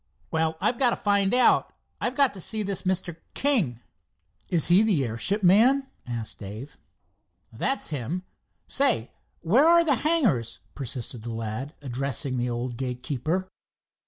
"Well, I've got to find out. I've got to see this Mr. King." "Is he the airship man?" asked Dave. "That's him. Say, where are the hangars?" persisted the lad, addressing the old gate keeper.